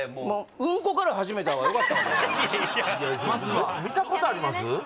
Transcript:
もうまずは見たことあります？